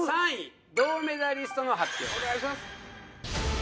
３位銅メダリストの発表です